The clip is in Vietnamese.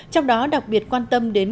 trong đó đặc biệt quan tâm đến